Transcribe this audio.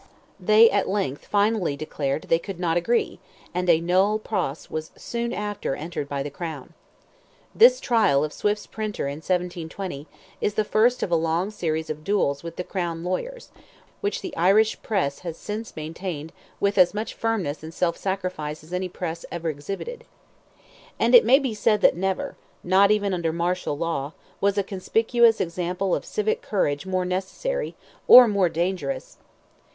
They at length finally declared they could not agree, and a nol. pros. was soon after entered by the crown. This trial of Swift's printer in 1720, is the first of a long series of duels with the crown lawyers, which the Irish press has since maintained with as much firmness and self sacrifice as any press ever exhibited. And it may be said that never, not even under martial law, was a conspicuous example of civic courage more necessary, or more dangerous.